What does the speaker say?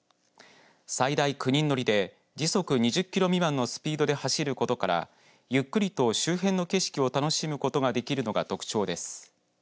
最大９人乗りで時速２０キロ未満のスピードで走ることからゆっくりと周辺の景色を楽しむことができるのが特徴です。